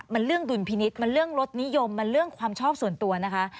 มันเรื่องดุลพินิษฐ์มันเรื่องลดนิยมมันเรื่องความชอบส่วนตัวนะคะ